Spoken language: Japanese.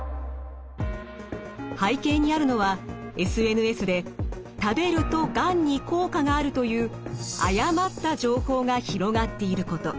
背景にあるのはＳＮＳで「食べるとがんに効果がある」という誤った情報が広がっていること。